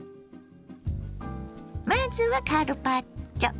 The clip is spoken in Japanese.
まずはカルパッチョ。